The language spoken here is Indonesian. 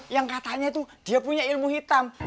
yang katanya itu dia punya ilmu hitam